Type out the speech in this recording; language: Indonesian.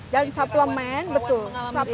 dan suplemen betul